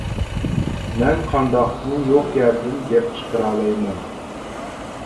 مەن قانداقمۇ يوق يەردىن گەپ چىقىرالايمەن.